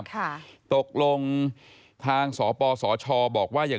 พบหน้าลูกแบบเป็นร่างไร้วิญญาณ